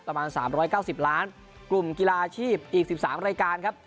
ประมาณ๓๙๐ล้านกลุ่มกีฬาอาชีพอีก๑๓รายการครับ